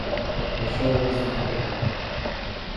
The show was not picked up.